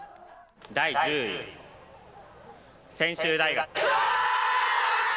第１０位、専修大学。